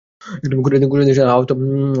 কুরাইশদের সাথে আহত নারীরাও পালাচ্ছিল।